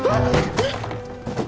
えっ！？